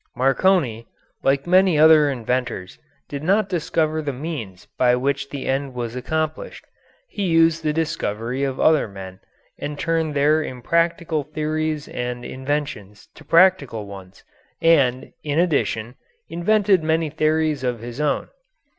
Marconi, like many other inventors, did not discover the means by which the end was accomplished; he used the discovery of other men, and turned their impractical theories and inventions to practical uses, and, in addition, invented many theories of his own.